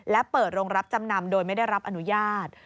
และเปิดโรงรับจำนำโดยไม่ได้รับอนุญาต